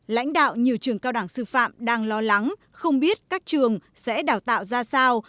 lãnh đạo nhiều trường cao đẳng sư phạm đang lo lắng không biết các trường sẽ đào tạo ra sao